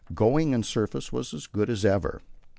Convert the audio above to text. Going and surface as good as ever.